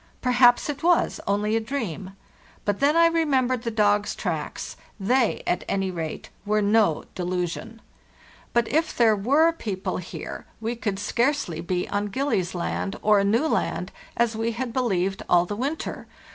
Per haps it was only adream. But then I remembered the dogs' tracks; they, at any rate, were no delusion. But fo) 528 FARTHEST NORTH if there were people here we could scarcely be on Gil: lies Land or a new land, as we had believed all the win ter.